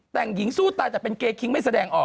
แต่งหญิงสู้ตายแต่เป็นเกคิงไม่แสดงออก